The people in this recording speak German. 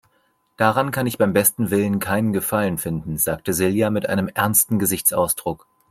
Daran kann ich beim besten Willen keinen Gefallen finden, sagte Silja mit einem ernsten Gesichtsausdruck.